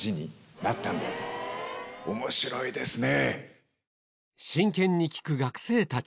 面白いですね。